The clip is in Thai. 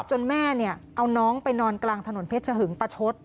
แม่เนี่ยเอาน้องไปนอนกลางถนนเพชรหึงประชด